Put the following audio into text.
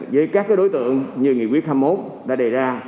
với các đối tượng như nghị quyết hai mươi một đã đề ra